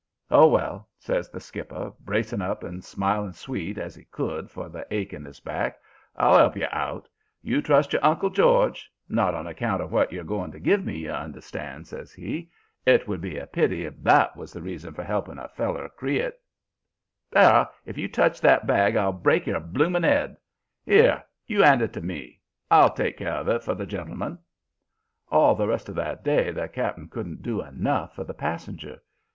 "'Oh, well,' says the skipper, bracing up and smiling sweet as he could for the ache in his back. 'I'll 'elp you out. You trust your Uncle George. Not on account of what you're going to give me, you understand,' says he. 'It would be a pity if THAT was the reason for 'elpin' a feller creat Sparrow, if you touch that bag I'll break your blooming 'ead. 'Ere! you 'and it to me. I'll take care of it for the gentleman.' "All the rest of that day the Cap'n couldn't do enough for the passenger.